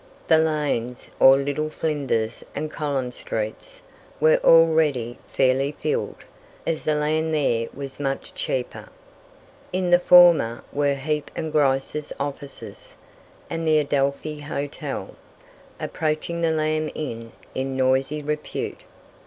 The lanes, or Little Flinders and Collins streets, were already fairly filled, as the land there was much cheaper. In the former were Heap and Grice's offices, and the Adelphi Hotel, approaching the Lamb Inn in noisy repute.